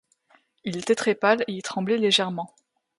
Il était très pâle et il tremblait légèrement.